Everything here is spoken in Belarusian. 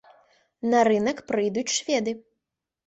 На рынак прыйдуць шведы.